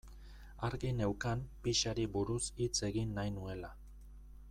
Argi neukan pixari buruz hitz egin nahi nuela.